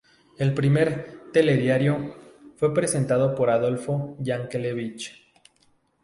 El primer ""Telediario"" fue presentado por Adolfo Yankelevich.